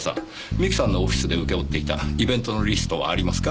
三木さんのオフィスで請け負っていたイベントのリストはありますか？